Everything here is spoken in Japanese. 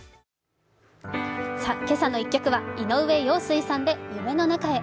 「けさの１曲」は井上陽水さんで「夢の中へ」。